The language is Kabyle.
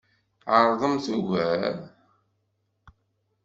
Ɛeṛḍemt ugar.